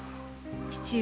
父上。